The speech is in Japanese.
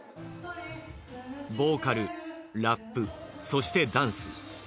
ボーカルラップそしてダンス。